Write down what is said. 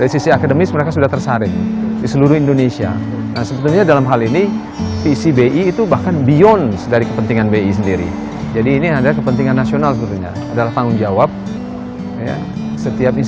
ketika keberagaman diwujudkan dalam kebersamaan maka yang terjadi adalah semangat kebersatan